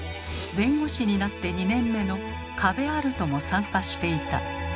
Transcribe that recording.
弁護士になって２年目の加部歩人も参加していた。